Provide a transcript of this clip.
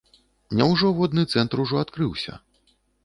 Няўжо водны цэнтр ужо адкрыўся?